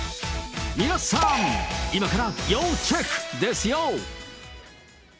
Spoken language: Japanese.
皆さん、今から要チェックですよ。